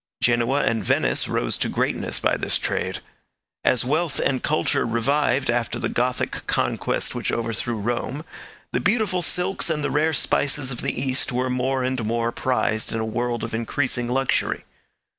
Genoa and Venice rose to greatness by this trade. As wealth and culture revived after the Gothic conquest which overthrew Rome, the beautiful silks and the rare spices of the East were more and more prized in a world of increasing luxury.